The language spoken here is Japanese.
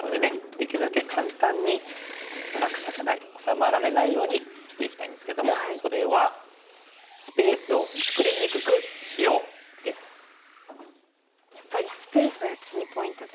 できるだけ簡単に楽させない治まられないようにしていきたいんですけどもそれはやっぱりスペースがキーポイントですかね。